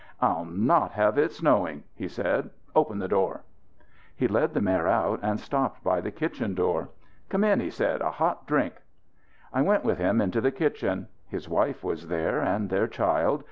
"I'll not have it snowing." he said. "Open the door." He led the mare out and stopped by the kitchen door. "Come in," he said. "A hot drink." I went with him into the kitchen. His wife was there, and their child.